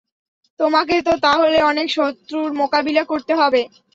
তোমাকে তো তাহলে অনেক শত্রুর মোকাবিলা করতে হবে।